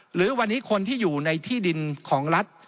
หรือวันนี้คนที่อยู่ในที่ดินของรัฐ